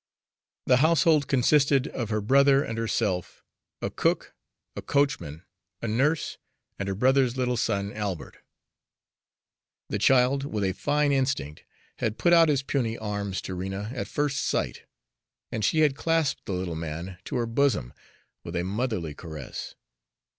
The household consisted of her brother and herself, a cook, a coachman, a nurse, and her brother's little son Albert. The child, with a fine instinct, had put out his puny arms to Rena at first sight, and she had clasped the little man to her bosom with a motherly caress.